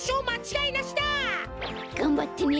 がんばってね。